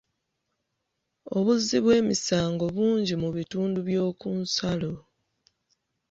Obuzzi bw'emisango bungi mu bitundu by'oku nsalo.